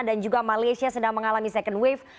dan juga malaysia sedang mengalami second wave